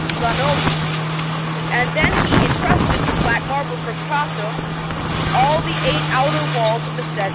Zanobi; and then he incrusted with black marble from Prato all the eight outer walls of the said S.